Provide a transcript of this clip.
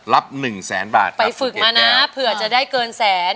หนึ่งแสนบาทไปฝึกมานะเผื่อจะได้เกินแสน